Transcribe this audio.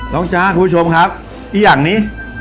จ๊ะคุณผู้ชมครับอีกอย่างนี้